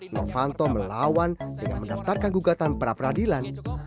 novanto melawan dengan mendaftarkan gugatan pra peradilan